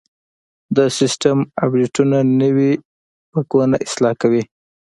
د سیسټم اپډیټونه نوي بګونه اصلاح کوي.